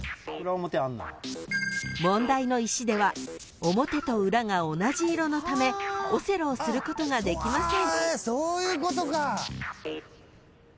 ［問題の石では表と裏が同じ色のためオセロをすることができません］